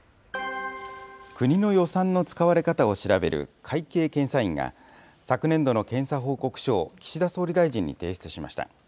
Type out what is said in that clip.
国の予算の使われ方を調べる会計検査院が、昨年度の検査報告書を岸田総理大臣に提出しました。